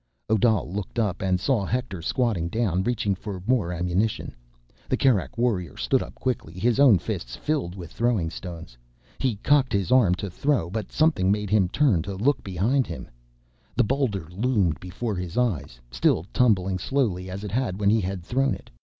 Odal looked up and saw Hector squatting down, reaching for more ammunition. The Kerak warrior stood up quickly, his own fists filled with throwing stones. He cocked his arm to throw— But something made him turn to look behind him. The boulder loomed before his eyes, still tumbling slowly, as it had when he had thrown it.